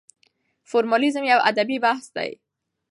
فورمالېزم يو ادبي بحث دی.